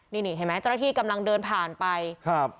นี่นี่เห็นไหมเจ้าหน้าที่กำลังเดินผ่านไปครับ